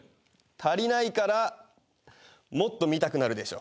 足りないからもっと見たくなるでしょ。